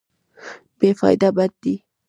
بې فایده بد دی.